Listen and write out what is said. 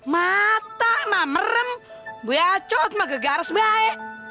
mata mah merem buya cot mah ke garis buaya